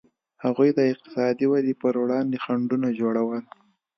هغوی د اقتصادي ودې پر وړاندې خنډونه جوړول.